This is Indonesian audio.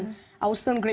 saya masih di kelas lima